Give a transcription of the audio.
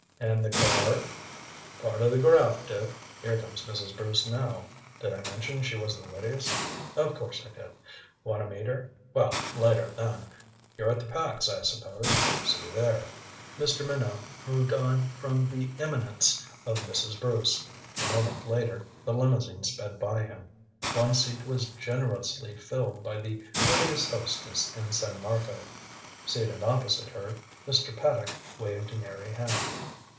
"And the car " "Part of the graft, Dick. Here comes Mrs. Bruce now. Did I mention she was the wittiest of course I did. Want to meet her? Well, later then. You're at the Pax, I suppose. See you there." Mr. Minot moved on from the imminence of Mrs. Bruce. A moment later the limousine sped by him. One seat was generously filled by the wittiest hostess in San Marco. Seated opposite her, Mr. Paddock waved an airy hand.